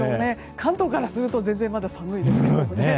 関東からすると全然まだ寒いですけどね。